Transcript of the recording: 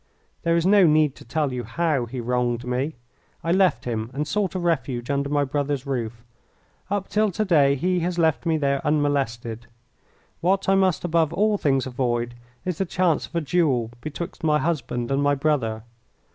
There is no need to tell you how he wronged me. I left him and sought a refuge under my brother's roof. Up till to day he has left me there unmolested. What I must above all things avoid is the chance of a duel betwixt my husband and my brother.